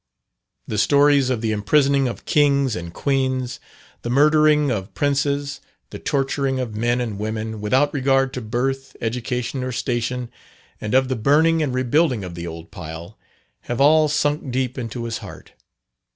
The stories of the imprisoning of kings, and queens, the murdering of princes, the torturing of men and women, without regard to birth, education, or station, and of the burning and rebuilding of the old pile, have all sunk deep into his heart.